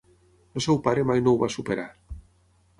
El seu pare mai no ho va superar.